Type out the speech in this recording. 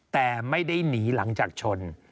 แต่ไม่ได้หนีหลังจากชน